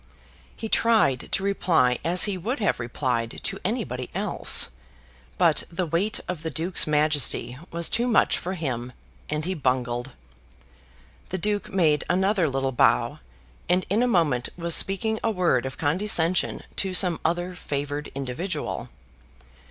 He tried to reply as he would have replied to anybody else, but the weight of the Duke's majesty was too much for him, and he bungled. The Duke made another little bow, and in a moment was speaking a word of condescension to some other favoured individual.